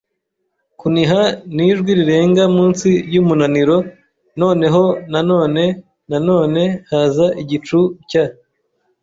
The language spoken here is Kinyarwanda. kuniha n'ijwi rirenga munsi y'umunaniro. Noneho na none nanone haza igicu cya